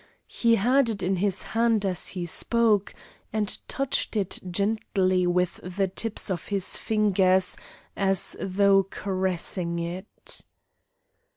He had it in his hand as he spoke, and touched it gently with the tips of his fingers as though caressing it.